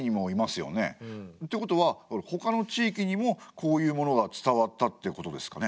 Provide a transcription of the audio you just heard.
ってことはほかの地域にもこういうものが伝わったってことですかね？